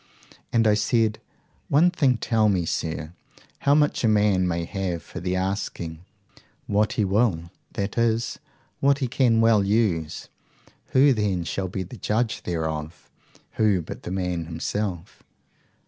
And I said, One thing tell me, sir how much a man may have for the asking. What he will that is, what he can well use. Who then shall be the judge thereof? Who but the man himself?